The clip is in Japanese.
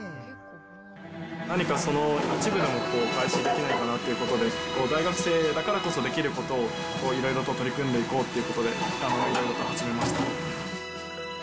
何か一部でもお返しできないかなってことで、大学生だからこそできることをいろいろと取り組んでいこうってことで、いろいろと始めました。